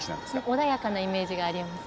穏やかなイメージがあります。